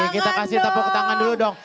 kita kasih tepuk tangan dulu dong